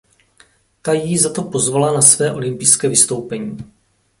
Ta jí za to pozvala na své olympijské vystoupení.